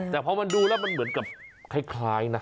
แต่พอมันดูแล้วมันเหมือนกับคล้ายนะ